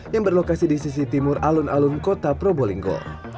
yang berlokasi di sisi timur alun alun kota probolinggo